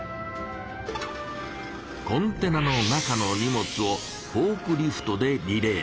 コンテナの中の荷物をフォークリフトでリレー。